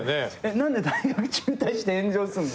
何で大学中退して炎上すんの？